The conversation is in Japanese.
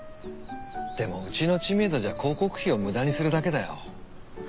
でもうちの知名度じゃ広告費を無駄にするだけだよ。